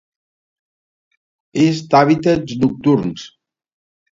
És d'hàbitats nocturns.